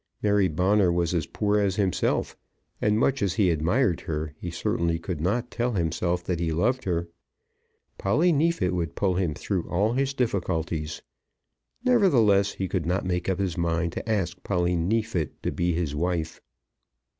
Mary Bonner was as poor as himself; and, much as he admired her, he certainly could not tell himself that he loved her. Polly Neefit would pull him through all his difficulties. Nevertheless, he could not make up his mind to ask Polly Neefit to be his wife.